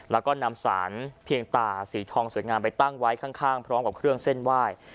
แล้วก็นำสารเพียงตาสีทองสวยงามไปตั้งไว้ข้างพร้อมกับเครื่องเส้นไหว้